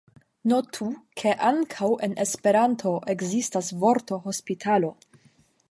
Notu, ke ankaŭ en Esperanto ekzistas vorto hospitalo.